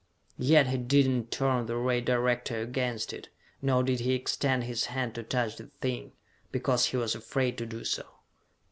Yet he did not turn the ray director against it, nor did he extend his hand to touch the thing because he was afraid to do so!